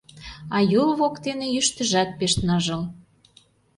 А Юл воктене Йӱштыжат пеш ныжыл.